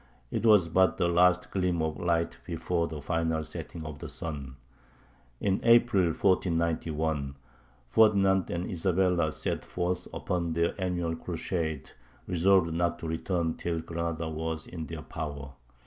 It was but the last gleam of light before the final setting of the sun. In April, 1491, Ferdinand and Isabella set forth upon their annual crusade, resolved not to return till Granada was in their power.